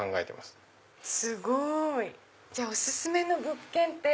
すごい！じゃあお薦めの物件って。